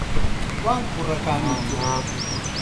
کوان کوڕەکانی تر؟